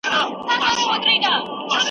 ولې ملکیار له سیند څخه شکایت کوي؟